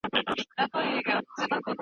د لوستنې ذوق باید له وړکتوب څخه پالل سي.